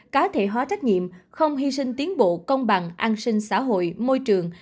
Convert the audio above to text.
cá thể hóa trách nhiệm không hy sinh tiến bộ công bằng an sinh xã hội môi trường